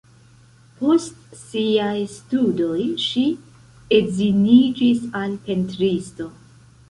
Post siaj studoj ŝi edziniĝis al pentristo.